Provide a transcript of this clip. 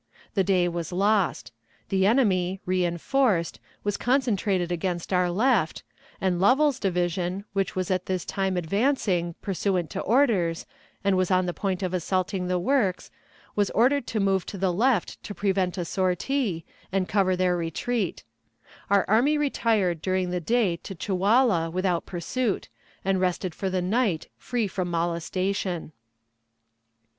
The day was lost. The enemy, reënforced, was concentrated against our left, and Lovell's division, which was at this time advancing, pursuant to orders, and was on the point of assaulting the works, was ordered to move to the left to prevent a sortie, and cover their retreat. Our army retired during the day to Chewalla without pursuit, and rested for the night free from molestation.